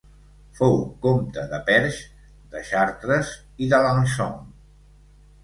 Fou comte de Perche, de Chartres i d'Alençon.